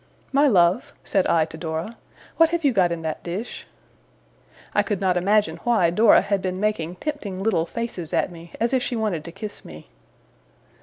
'My love,' said I to Dora, 'what have you got in that dish?' I could not imagine why Dora had been making tempting little faces at me, as if she wanted to kiss me.